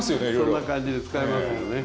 そんな感じで使えますよね。